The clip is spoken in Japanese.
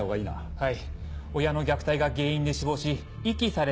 はい。